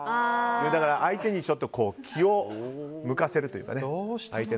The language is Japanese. だから、相手に気を向かせるというかね。